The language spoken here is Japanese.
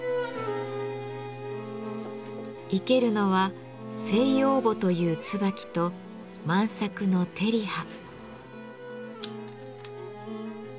生けるのは西王母というツバキと満作の照り葉。